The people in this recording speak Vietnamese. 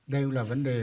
đây là vấn đề